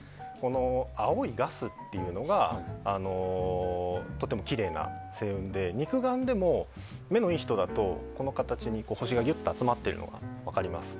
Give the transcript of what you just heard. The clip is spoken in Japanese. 青いガスというのがとてもきれいな星雲で肉眼でも、目のいい人だとこの形の星がギュッと集まっているのが見えます。